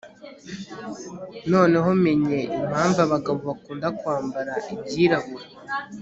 noneho menye impamvu abagabo bakunda kwambara ibyirabura